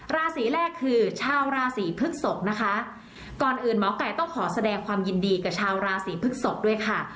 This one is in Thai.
ราศีแรกคือชาวราศีพฤกษกนะคะก่อนอื่นหมอไก่ต้องขอแสดงความยินดีกับชาวราศีพฤกษกด้วยค่ะ